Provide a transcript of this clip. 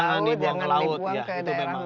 jangan dibuang ke daerah mangrove